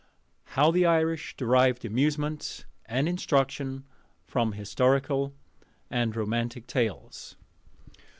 HOW THE IRISH DERIVED AMUSEMENT AND INSTRUCTION FROM HISTORICAL AND ROMANTIC TALES.